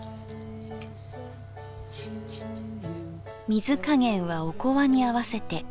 水加減はおこわに合わせて。